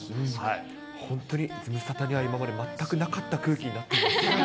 本当にズムサタには今まで全くなかった空気になっています。